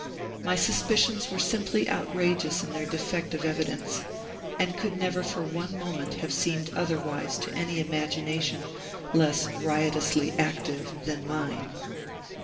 My suspicions were simply outrageous in their defect of evidence, and could never for one moment have seemed otherwise to any imagination less riotously active than mine.